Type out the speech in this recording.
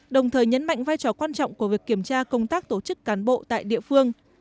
đồng thời nhấn mạnh vai trò quan trọng của việc kiểm tra công tác tổ chức cán bộ tại địa phương